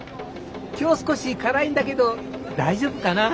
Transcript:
今日少し辛いんだけど大丈夫かな？